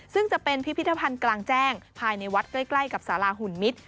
ซึ่งจะเป็นพิพิธภัณฑ์กลางแจ้งภายในวัดใกล้กับสาราหุ่นมิตร